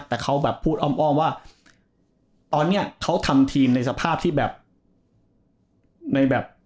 แต่เขาแบบพูดอ้อมว่าตอนนี้เขาทำทีมในสภาพที่แบบในแบบ